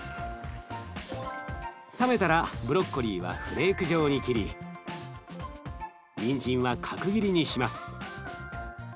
冷めたらブロッコリーはフレーク状に切りにんじんは角切りにします。